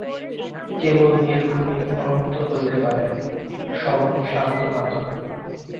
কেবল নির্গুণই অনন্ত হইতে পারে, সগুণ সান্ত মাত্র।